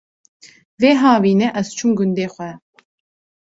Vê havînê ez çûm gundê xwe